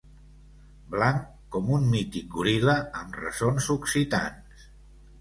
Blanc com un mític goril·la amb ressons occitans.